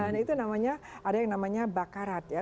nah itu namanya ada yang namanya bakarat ya